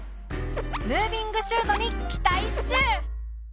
ムービングシュートに期待っシュ！